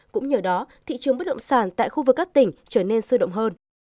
cũng nhờ đó thị trường bất động sản tại khu vực các tỉnh trở nên sôi động hơn